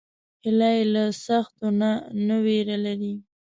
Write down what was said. هیلۍ له سختیو نه نه ویره لري